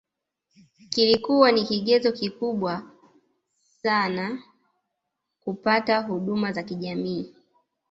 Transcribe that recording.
Kilikua ni kigezo kikubwa caha kupata huduma za kijamii